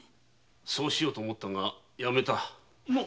そうしようと思ったがやめた。